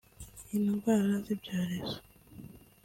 indwara z’ibyorezo